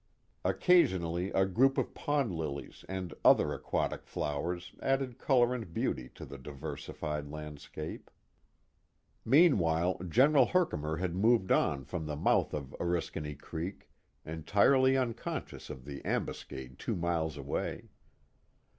Occasionally a group of pond lilies and other aquatic flowers added color and beauty to the diversified landscape. 420 The Mohawk Valley Meanwhile General Herkimer had moved on from tlw mouth of Oriskany Creek entirely unconscious of the ambus cade two miles away.